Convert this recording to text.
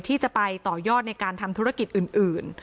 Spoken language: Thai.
ที่จะไปต่อยอดในการทำธุรกิจอื่น